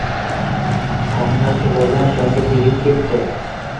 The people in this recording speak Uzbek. Kommunal toʻlovlar jonga tegib ketdi.